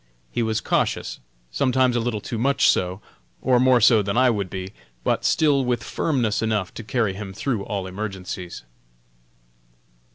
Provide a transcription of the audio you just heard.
He was cautious sometimes a little too much so, or more so than I would be, but still with firmness enough to carry him through all emergencies.